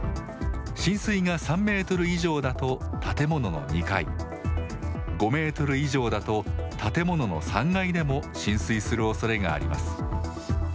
浸水が３メートル以上だと建物の２階、５メートル以上だと建物の３階でも浸水するおそれがあります。